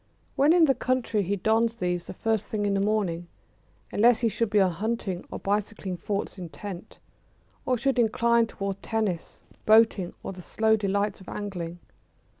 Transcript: When in the country he dons these the first thing in the morning, unless he should be on hunting or bicycling thoughts intent, or should incline towards tennis, boating, or the slow delights of angling.